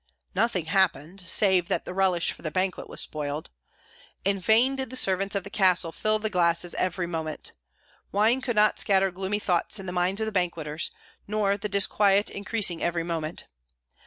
Nothing happened, save that relish for the banquet was spoiled. In vain did the servants of the castle fill the glasses every moment. Wine could not scatter gloomy thoughts in the minds of the banqueters, nor the disquiet increasing every moment.